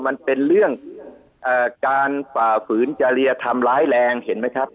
มันเป็นเรื่องการฝ่าฝืนจริยธรรมร้ายแรงเห็นไหมครับ